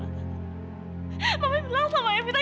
mama silakan sama ervita